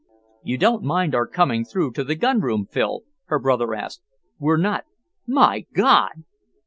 "You don't mind our coming through to the gun room, Phil?" her brother asked. "We're not My God!"